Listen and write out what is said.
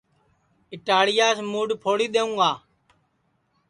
اِٹاڑِیاس مُوڈؔ پھوڑی دؔیؤں گا